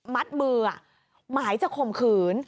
มัดมือหมายจะข่มขืน